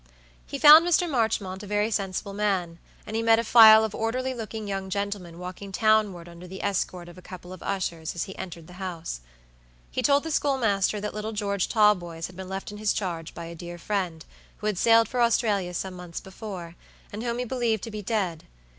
He found Mr. Marchmont a very sensible man, and he met a file of orderly looking young gentlemen walking townward under the escort of a couple of ushers as he entered the house. He told the schoolmaster that little George Talboys had been left in his charge by a dear friend, who had sailed for Australia some months before, and whom he believed to be dead.